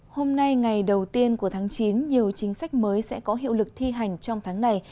hôm nay ngày đầu tiên của tháng chín nhiều chính sách mới sẽ có hiệu lực thi hành trong tháng này